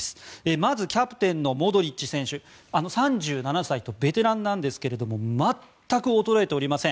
まずキャプテンのモドリッチ選手３７歳とベテランなんですが全く衰えておりません。